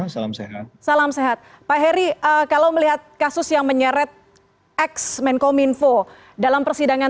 selamat selamat sehat pak harry kalau melihat kasus yang menyeret x mencom info dalam persidangan